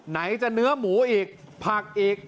ไหนจะเนื้อหมูอีกผักอีก